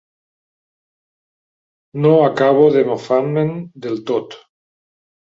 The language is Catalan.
No acabo de mofar-me'n del tot.